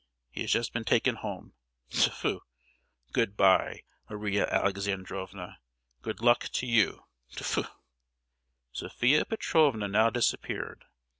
—he has just been taken home. Tfu! Good bye, Maria Alexandrovna—good luck to you! Tfu!" Sophia Petrovna now disappeared.